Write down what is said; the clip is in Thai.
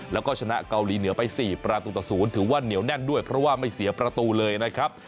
แล้วก็ชนะเกาหลีเหนือไป๔ประตูต่อ๐ถือว่าเหนียวแน่นด้วยเพราะว่าไม่เสียประตูเลยนะครับ